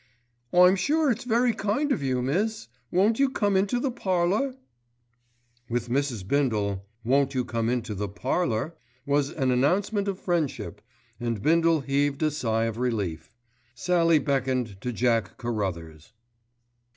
"I'm sure it's very kind of you, miss. Won't you come into the parlour?" With Mrs. Bindle, "Won't you come into the parlour?" was an announcement of friendship, and Bindle heaved a sigh of relief. Sallie beckoned to Jack Carruthers.